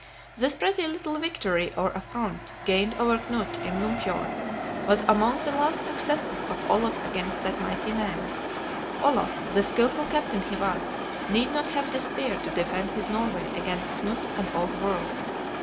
This pretty little victory or affront, gained over Knut in Lymfjord, was among the last successes of Olaf against that mighty man. Olaf, the skilful captain he was, need not have despaired to defend his Norway against Knut and all the world.